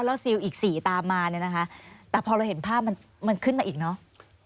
แล้วสี่ตามมานะคะแต่พอเห็นภาพมันมันขึ้นมาอีกเนอะ